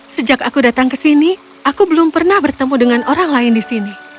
sejak aku datang ke sini aku belum pernah bertemu dengan orang lain di sini